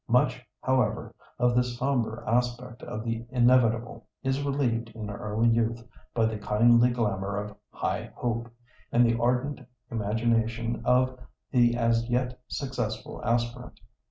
Much, however, of this sombre aspect of the inevitable is relieved in early youth by the kindly glamour of high hope, and the ardent imagination of the as yet successful aspirant.